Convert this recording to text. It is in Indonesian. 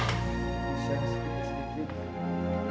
bisa sedikit sedikit pak